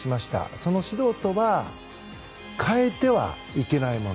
その指導とは変えてはいけないもの